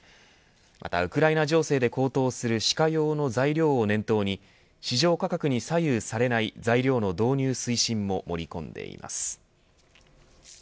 またウクライナ情勢で高騰する歯科用の材料を念頭に市場価格に左右されない材料の導入推進も盛り込んでいます。